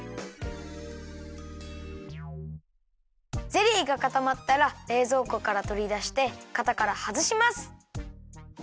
ゼリーがかたまったられいぞうこからとりだしてかたからはずします。